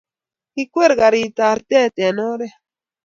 kikwer karit arte eng' oret